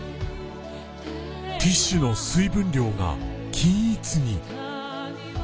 ティッシュの水分量が均一に。